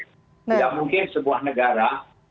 tidak mungkin sebuah negara